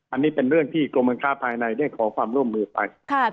อันนี้เป็นเรื่องที่กรมการค้าภายในได้ขอความร่วมมือไป